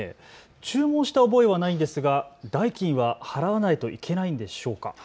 注文した覚えはないんですが代金は払わないといけないんでしょうか。